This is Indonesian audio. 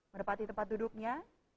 mendepati tempat duduknya